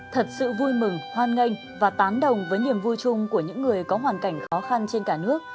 thật sự vui mừng hoan nghênh và tán đồng với niềm vui chung của những người có hoàn cảnh khó khăn trên cả nước